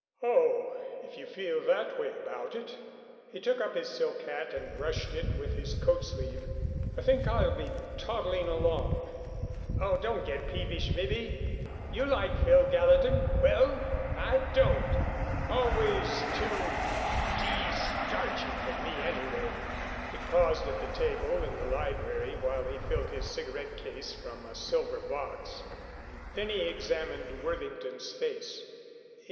"Oh, if you feel that way about it " He took up his silk hat and brushed it with his coat sleeve. "I think I'll be toddling along." "Oh, don't get peevish, Bibby. You like Phil Gallatin. Well, I don't. Always too d starchy for me anyway." He paused at the table in the library while he filled his cigarette case from a silver box. Then he examined Worthington's face.